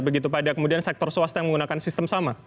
begitu pada kemudian sektor swasta yang menggunakan sistem sama